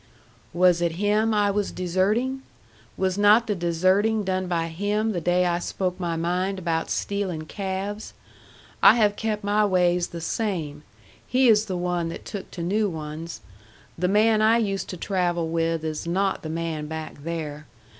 "Was it him I was deserting? Was not the deserting done by him the day I spoke my mind about stealing calves? I have kept my ways the same. He is the one that took to new ones. The man I used to travel with is not the man back there.